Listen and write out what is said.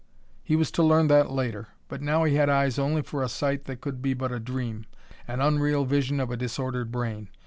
He was to learn that later, but now he had eyes only for a sight that could be but a dream, an unreal vision of a disordered brain.